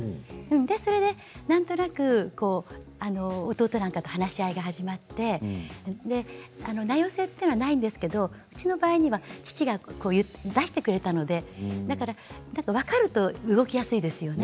それでなんとなく弟なんかと話し合いが始まって名寄せというのはないんですけれどもうちの場合には父が出してくれたのでだから分かると動きやすいですよね。